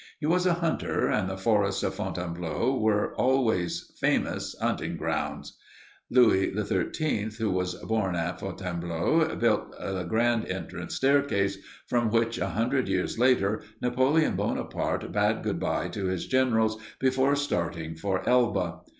He was a hunter, and the forests of Fontainebleau were always famous hunting grounds. Louis XIII, who was born in Fontainebleau, built the grand entrance staircase, from which, a hundred years later, Napoleon Bonaparte bade good by to his generals before starting for Elba.